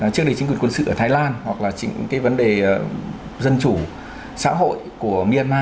trước đây chính quyền quân sự ở thái lan hoặc là những cái vấn đề dân chủ xã hội của mỹ